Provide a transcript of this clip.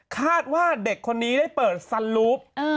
คาดว่าเด็กคนนี้ได้เปิดสลูป